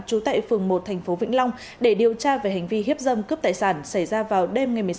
trú tại phường một thành phố vĩnh long để điều tra về hành vi hiếp dâm cướp tài sản xảy ra vào đêm ngày một mươi sáu